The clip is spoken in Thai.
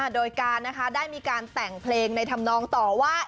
โดยการได้มีการแต่งเพลงในธรรมนองต่อว่า